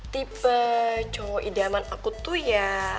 tipe cowok idaman aku tuh ya